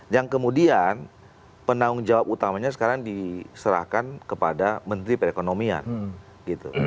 yang kemudian penanggung jawab utamanya sekarang diserahkan kepada menteri perekonomian gitu